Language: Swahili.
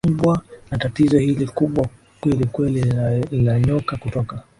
ilikumbwa na tatizo hili kubwa kweli kweli linanyoka kutoka